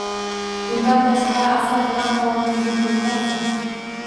Bundan tashqari asal bilan qovunni yeb bo‘lmaydi.